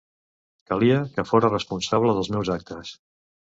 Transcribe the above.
Calia que fóra responsable dels meus actes.